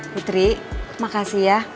putri makasih ya